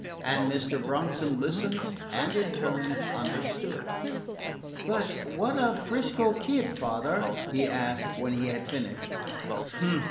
And Mr. Bronson listened and, in turn, understood. "But what of 'Frisco Kid, father?" Joe asked when he had finished.